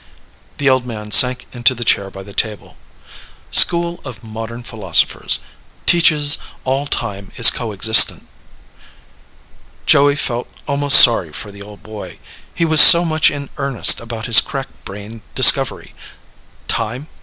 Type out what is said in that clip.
The old man sank into the chair by the table. "School of modern philosophers ... teaches all time is co existent." Joey felt almost sorry for the old boy. He was so much in earnest about his crack brained discovery. "Time ...